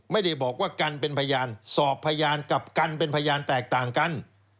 ไม่ได้บอกว่ากันเป็นพยานสอบพยานกับกันเป็นพยานแตกต่างกัน